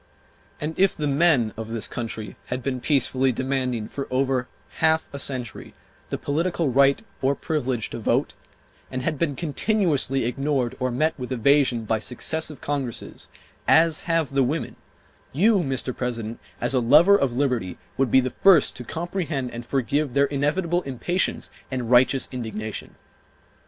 And if the men of this country had been peacefully demanding for over half a century the political right or privilege to vote, and had been continuously ignored or met with evasion by successive Congresses, as have the women, you, Mr. President, as a lover of liberty, would be the first to comprehend and forgive their inevitable impatience and righteous indignation.